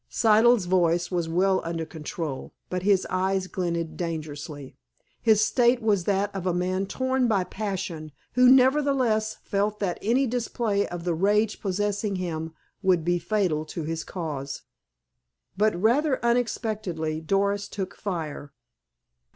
Siddle's voice was well under control, but his eyes glinted dangerously. His state was that of a man torn by passion who nevertheless felt that any display of the rage possessing him would be fatal to his cause. But, rather unexpectedly, Doris took fire.